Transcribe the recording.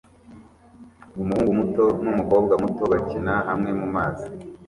Umuhungu muto numukobwa muto bakina hamwe mumazi